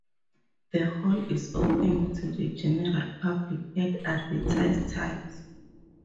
The hall is open to the general public at advertised times.